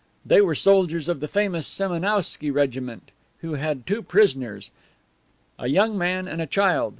They were soldiers of the famous Semenowsky regiment, who had two prisoners, a young man and a child.